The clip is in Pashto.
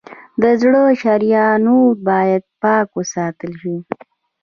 د زړه شریانونه باید پاک وساتل شي.